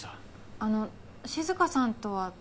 あの静香さんとは？